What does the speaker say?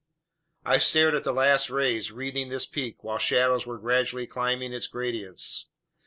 I stared at the last rays wreathing this peak, while shadows were gradually climbing its gradients.